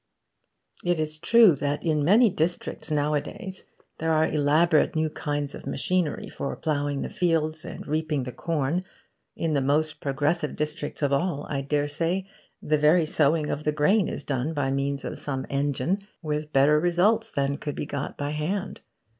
It is true that in many districts nowadays there are elaborate new kinds of machinery for ploughing the fields and reaping the corn. In the most progressive districts of all, I daresay, the very sowing of the grain is done by means of some engine, with better results than could be got by hand.